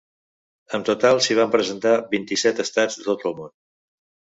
En total s’hi van presentar vint-i-set estats de tot el món.